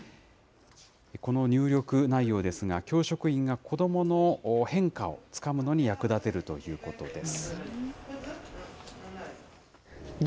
この入力内容ですが、教職員が子どもの変化をつかむのに役立てるということです。